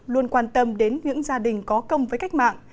luôn quan tâm đến những gia đình có công với cách mạng